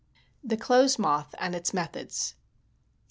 THE CLOTHES MOTH AND ITS METHODS.